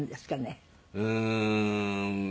うーん。